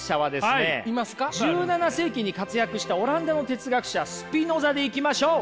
１７世紀に活躍したオランダの哲学者スピノザでいきましょう！